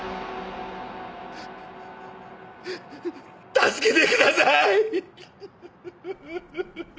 助けてください！